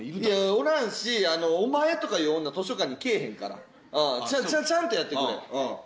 おらんし「お前」とか言う女図書館に来ぇへんから。ちゃんとやってくれ。